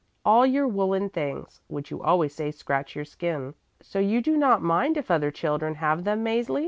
All your woolen things, which you always say scratch your skin. So you do not mind if other children have them, Mäzli?"